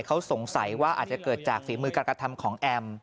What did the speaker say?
เขาสงสัยว่าอาจจะเกิดจากฝีมือการกระทำของแอม